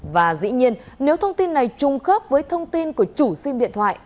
và dĩ nhiên nếu thông tin này trùng khớp với thông tin của chủ sim điện thoại